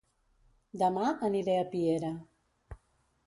Dema aniré a Piera